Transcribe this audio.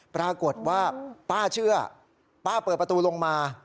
ปรากฏว่าป้าเชื่อป้าเปิดประตูลงมา